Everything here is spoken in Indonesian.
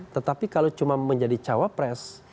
tetapi kalau cuma menjadi cawapres